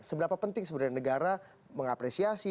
seberapa penting sebenarnya negara mengapresiasi